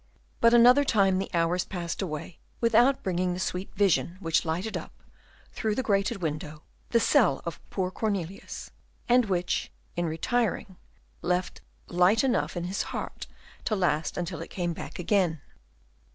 But another time the hours passed away without bringing the sweet vision which lighted up, through the grated window, the cell of poor Cornelius, and which, in retiring, left light enough in his heart to last until it came back again.